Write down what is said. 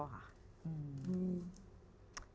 โชคด้วย